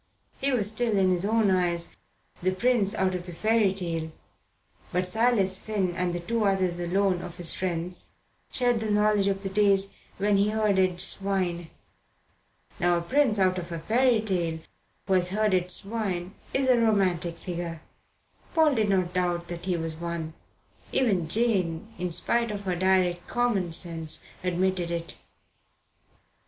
He was still, in his own, eyes, the prince out of the fairy tale; but Silas Finn and the two others alone of his friends shared the knowledge of the days when he herded swine. Now a prince out of a fairy tale who has herded swine is a romantic figure. Paul did not doubt that he was one. Even Jane, in spite of her direct common sense, admitted it.